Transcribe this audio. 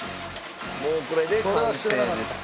もうこれで完成です。